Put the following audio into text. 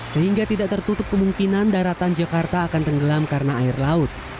sehingga tidak tertutup kemungkinan daratan jakarta akan tenggelam karena air laut